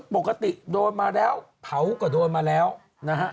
ปกติโดนมาแล้วเผาก็โดนมาแล้วนะฮะ